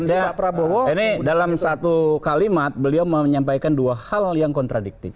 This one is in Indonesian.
ini dalam satu kalimat beliau menyampaikan dua hal yang kontradiktif